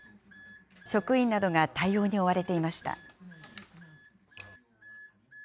職員などが対応に追われていました。